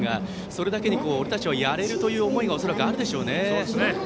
それだけに俺たちはやれるという思いが恐らくあるでしょうね。